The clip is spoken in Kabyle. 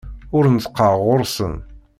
Ur neṭṭqeɣ ɣer-sent.